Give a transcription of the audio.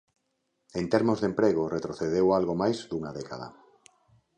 En termos de emprego, retrocedeu algo máis dunha década.